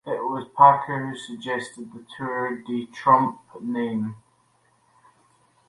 It was Packer who suggested the Tour de Trump name.